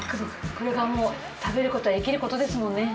これがもう食べることは生きることですもんね。